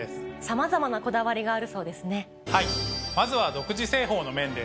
さまざまなこだわりがあるそうですね。